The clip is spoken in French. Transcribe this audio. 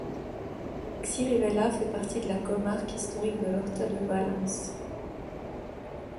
Xirivella fait partie de la comarque historique de l'Horta de Valence.